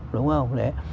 đúng không đấy